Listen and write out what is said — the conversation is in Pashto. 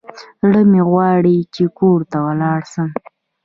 زړه مي غواړي چي کور ته ولاړ سم.